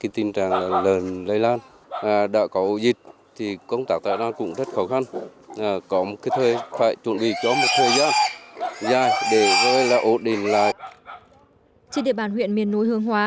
trên địa bàn huyện miền núi hướng hóa